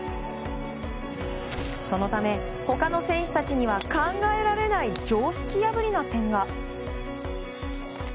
そのため他の選手たちには考えられない常識破りな点が。